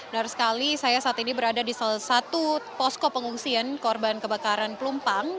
dan sekali saya saat ini berada di salah satu posko pengungsian korban kebakaran plumpang